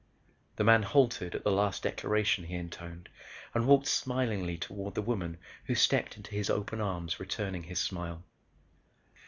The Man halted at the last declaration he intoned and walked smilingly toward the woman who stepped into his open arms returning his smile.